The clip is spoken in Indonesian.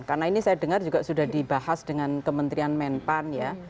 karena ini saya dengar juga sudah dibahas dengan kementerian menpan ya